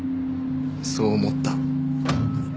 そう思った。